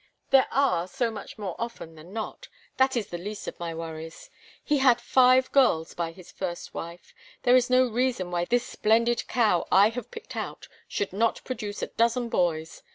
"There are so much more often than not that is the least of my worries. He had five girls by his first wife; there is no reason why this splendid cow I have picked out should not produce a dozen boys.